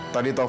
jadi anak cewek